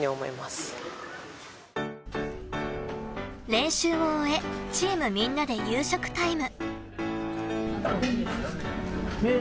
練習を終えチームみんなで夕食タイム。